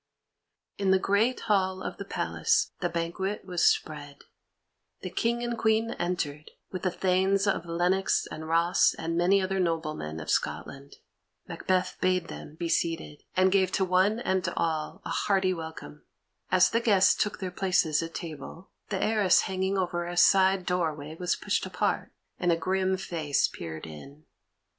In the great hall of the palace the banquet was spread. The King and Queen entered, with the Thanes of Lennox and Ross and many other noblemen of Scotland. Macbeth bade them be seated, and gave to one and all a hearty welcome. As the guests took their places at table, the arras hanging over a side doorway was pushed apart, and a grim face peered in.